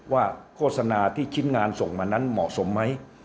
โฆษณาที่ชิ้นงานส่งมานั้นเหมาะสมไหม